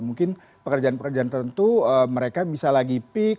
mungkin pekerjaan pekerjaan tentu mereka bisa lagi pick